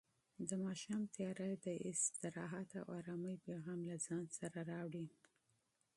د ماښام تیاره د استراحت او ارامۍ پیغام له ځان سره راوړي.